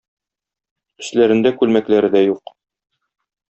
Өсләрендә күлмәкләре дә юк.